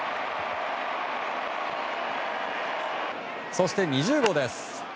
そして２０号です。